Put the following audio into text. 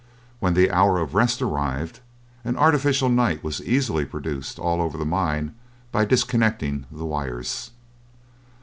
When the hour of rest arrived, an artificial night was easily produced all over the mine by disconnecting the wires.